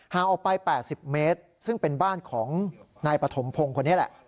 ออกไป๘๐เมตรซึ่งเป็นบ้านของนายปฐมพงศ์คนนี้แหละ